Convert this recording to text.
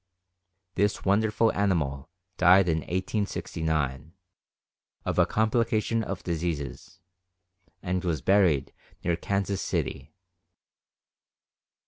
This wonderful animal died in 1869, of a complication of diseases, and was buried near Kansas City.